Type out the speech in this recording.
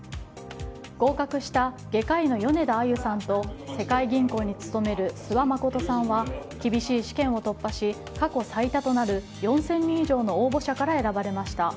合格した外科医の米田あゆさんと世界銀行に勤める諏訪理さんは厳しい試験を突破し過去最多となる４０００人以上の応募者から選ばれました。